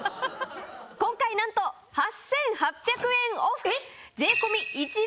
今回何と８，８００円オフ。